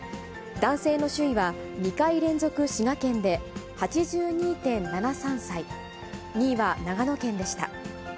男性の首位は２回連続滋賀県で、８２．７３歳、２位は長野県でした。